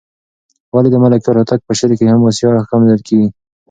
ولې د ملکیار هوتک په شعر کې حماسي اړخ کم لېدل کېږي؟